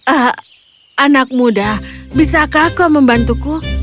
eh anak muda bisakah kau membantuku